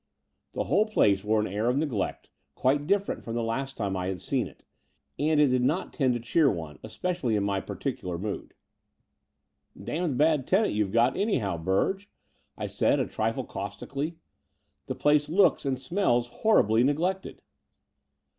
The whole place wore an air of neglect, quite different from the last time I had seen it; and it did not tend to cheer one, especially in my particular mood. Damned bad tenant you've got anyhow, Burge," I said a trifle caustically. '*The place looks and smells horribly neglected."